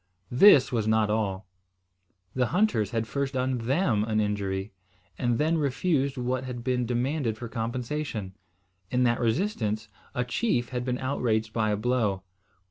This was not all. The hunters had first done them an injury, and then refused what had been demanded for compensation. In that resistance, a chief had been outraged by a blow.